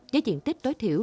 với diện tích tối thiểu